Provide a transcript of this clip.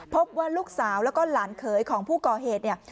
พบว่าลูกสาวแล้วก็หลานเขยของผู้ก่อเหตุเนี่ย